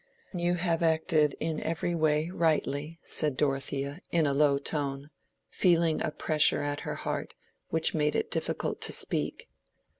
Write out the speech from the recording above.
"You have acted in every way rightly," said Dorothea, in a low tone, feeling a pressure at her heart which made it difficult to speak.